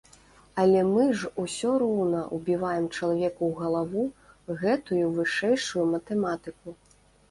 Але мы ж усё роўна ўбіваем чалавеку ў галаву гэтую вышэйшую матэматыку.